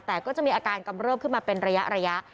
แต่ก็จะมีอาการกำเริบขึ้นมาเป็นระยะ